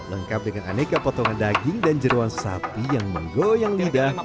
lengkap dengan aneka potongan daging dan jeruan sapi yang menggoyang lidah